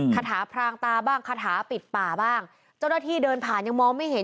คาถาพรางตาบ้างคาถาปิดป่าบ้างเจ้าหน้าที่เดินผ่านยังมองไม่เห็น